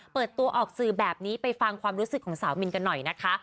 เปิดตัวออกสื่อแบบนี้ไปฟังความรู้สึกของสาวมินกันหน่อยนะคะ